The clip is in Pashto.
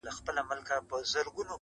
خپل تعلیم یې کئ پوره په ښه مېړانه.